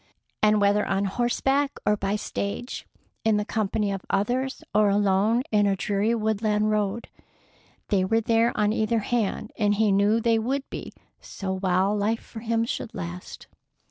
And whether on horseback or by stage, in the company of others or alone in a dreary woodland road, they were there on either hand, and he knew they would be so while life for him should last.